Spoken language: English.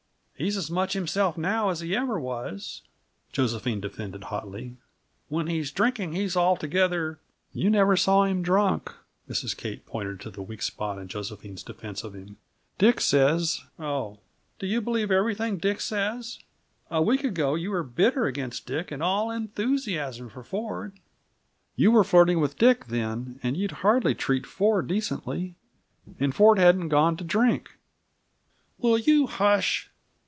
"He's as much himself now as ever he was," Josephine defended hotly. "When he's drinking he's altogether " "You never saw him drunk," Mrs. Kate pointed to the weak spot in Josephine's defense of him. "Dick says " "Oh, do you believe everything Dick says? A week ago you were bitter against Dick and all enthusiasm for Ford." "You were flirting with Dick then, and you'd hardly treat Ford decently. And Ford hadn't gone to drink " "Will you hush?"